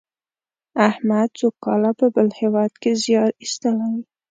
احمد څو کاله په بل هېواد کې زیار ایستلی.